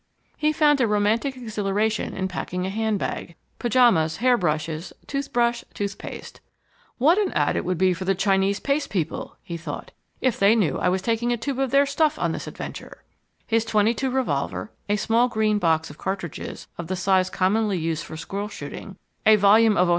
He found a romantic exhilaration in packing a handbag. Pyjamas, hairbrushes, toothbrush, toothpaste ("What an ad it would be for the Chinese Paste people," he thought, "if they knew I was taking a tube of their stuff on this adventure!") his .22 revolver, a small green box of cartridges of the size commonly used for squirrel shooting, a volume of O.